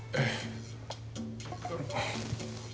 えっ。